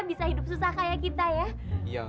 bisa hidup susah kayak kita ya yang